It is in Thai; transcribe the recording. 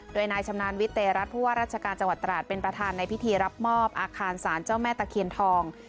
โดยนายชำนาญวิเตรัฐผู้ว่าราชการจังหวัดตราดเป็นประธานในพิธีรับมอบอาคารสารเจ้าแม่ตะเคียนทอง